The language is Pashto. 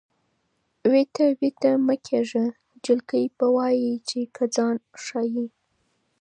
وېته وېته مه کېږه جلکۍ به وایې چې که ځان ښایې.